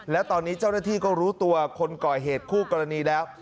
และตอนนี้เจ้าหน้าที่ก็รู้ตัวคนก่อเหตุคู่กรณีแล้ว